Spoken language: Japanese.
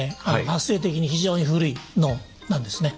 発生的に非常に古い脳なんですね。